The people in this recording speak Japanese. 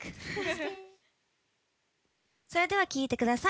それでは聴いてください